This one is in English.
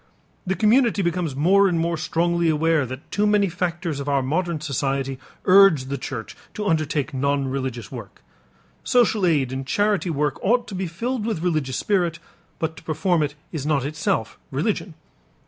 The community becomes more and more strongly aware that too many factors of our modern society urge the church to undertake non religious work. Social aid and charity work ought to be filled with religious spirit, but to perform it is not itself religion.